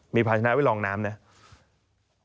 มีพาชนะไว้รองน้ำเนี่ย